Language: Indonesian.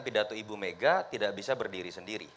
pidato ibu mega tidak bisa berdiri sendiri